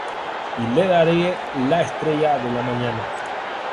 Y le daré la estrella de la mañana.